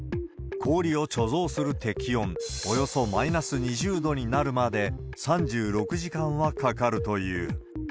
氷を貯蔵する適温、およそマイナス２０度になるまで３６時間はかかるという。